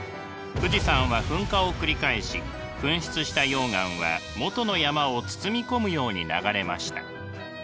富士山は噴火を繰り返し噴出した溶岩は元の山を包み込むように流れました。